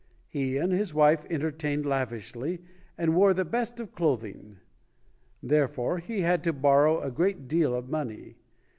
He and his wife entertained lav ishly and wore the best of clothing; therefore he had to borrow a great deal of money.